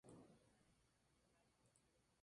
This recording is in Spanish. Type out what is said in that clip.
Enseguida viene Don Julio y me da el papel.